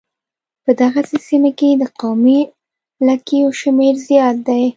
په دغې سيمې کې د قومي لږکيو شمېر زيات دی.